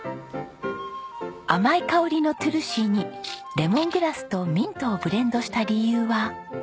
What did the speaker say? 甘い香りのトゥルシーにレモングラスとミントをブレンドした理由は。